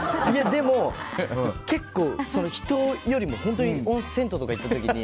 でも結構、人よりも銭湯とか行った時に。